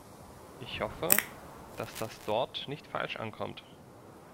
Ich hoffe, dass das dort nicht falsch ankommt.